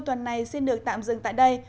hôm nay xin được tạm dừng tại đây